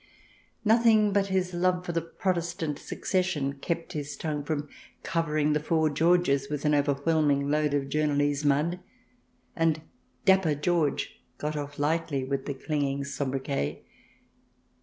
Nothing but his love for the Protestant succession kept his tongue from covering the four Georges with an overwhelming load of journalese mud, and Dapper George got off lightly with the clinging sobriquet.